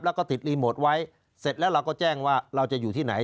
แล้วก็ติดรีโมทไว้เสร็จแล้วเราก็แจ้งว่าเราจะอยู่ที่ไหน